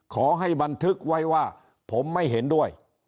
ขอให้บันทึกไว้ว่าผมไม่เห็นด้วย